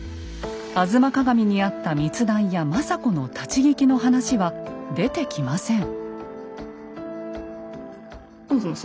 「吾妻鏡」にあった密談や政子の立ち聞きの話は出てきません。